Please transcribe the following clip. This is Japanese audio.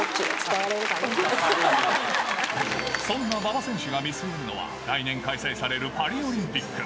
そんな馬場選手が見据えるのは、来年開催されるパリオリンピック。